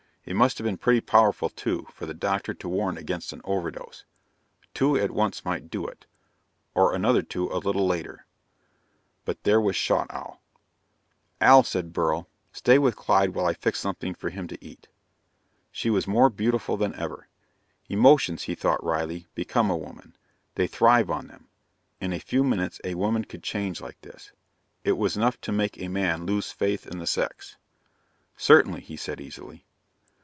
It must have been pretty powerful, too, for the doctor to warn against an overdose. Two at once might do it, or another two a little later. But there was Schaughtowl. "Al," said Beryl, "stay with Clyde while I fix something for him to eat." She was more beautiful than ever. Emotions, he thought wryly, become a woman; they thrive on them. In a few minutes a woman could change like this. It was enough to make a man lose faith in the sex. "Certainly," he said easily.